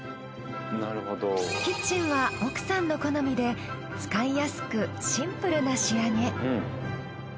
キッチンは奥さんの好みで使いやすくシンプルな仕上げ。